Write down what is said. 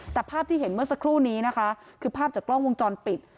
แต่ภาพที่เห็นเมื่อสักครู่นี้นะคะคือภาพจากกล้องวงจรปิด